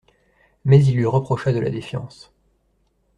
Mais il lui reprocha de la défiance.